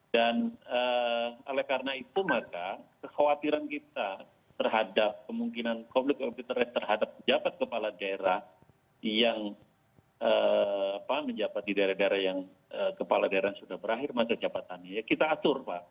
dan oleh karena itu maka kekhawatiran kita terhadap kemungkinan konflik covid sembilan belas terhadap pejabat kepala daerah yang menjabat di daerah daerah yang kepala daerah sudah berakhir maka jabatannya kita atur pak